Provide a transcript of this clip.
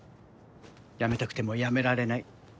やめたくてもやめられない。